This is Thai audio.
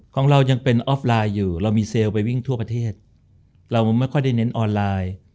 ของเรายังเป็นออฟไลน์อยู่เรามีเซลล์ไปวิ่งทั่วประเทศเราไม่ค่อยได้เน้นออนไลน์